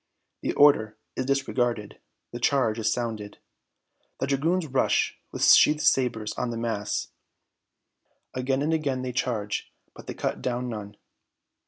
The order is disregarded! The charge is sounded! The dragoons rush with sheathed sabres on the mass! Again and again they charge, but they cut down none!